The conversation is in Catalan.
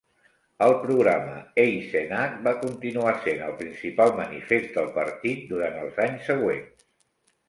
El programa Eisenach va continuar sent el principal manifest del partit durant els anys següents.